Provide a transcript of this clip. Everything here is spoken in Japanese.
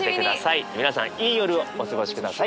皆さんいい夜をお過ごし下さい。